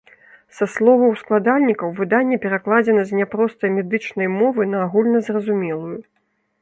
Са словаў складальнікаў, выданне перакладзена з няпростай медычнай мовы на агульназразумелую.